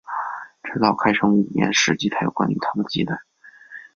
直到开成五年史籍才有关于他的记载。